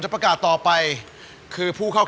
และสุดท้ายหมายเลข๙หมวกก่อสร้าง